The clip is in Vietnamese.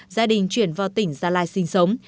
gia đình chuyển vào tỉnh gia lai sinh sống